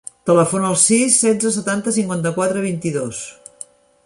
Telefona al sis, setze, setanta, cinquanta-quatre, vint-i-dos.